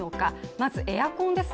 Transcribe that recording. まずエアコンです。